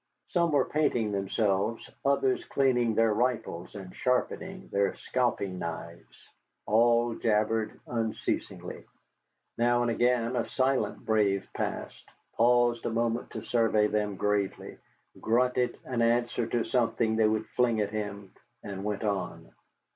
Some were painting themselves, others cleaning their rifles and sharpening their scalping knives. All jabbered unceasingly. Now and again a silent brave passed, paused a moment to survey them gravely, grunted an answer to something they would fling at him, and went on.